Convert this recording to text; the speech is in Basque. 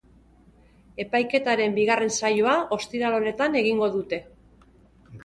Epaiketaren bigarren saioa ostiral honetan egingo dute.